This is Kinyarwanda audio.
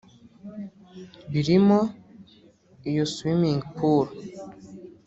birimo iyo swimming pool